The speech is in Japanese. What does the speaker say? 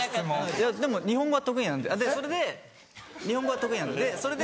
日本語は得意なのでそれで日本語は得意なのでそれで。